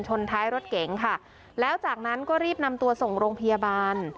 ท้ายรถเก๋งค่ะแล้วจากนั้นก็รีบนำตัวส่งโรงพยาบาล